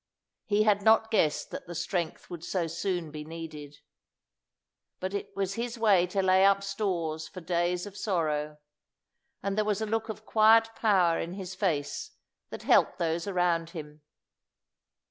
He had not guessed that the strength would so soon be needed. But it was his way to lay up stores for days of sorrow, and there was a look of quiet power in his face that helped those around him.